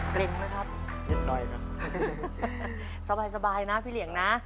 กลิ่นไหมครับนิดหน่อยนะสบายนะพี่เหลี่ยงนะ